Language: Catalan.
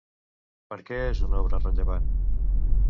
Per què és una obra rellevant?